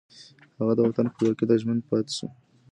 هغه د وطن خپلواکۍ ته ژمن پاتې شو